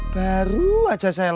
baru aja saya lega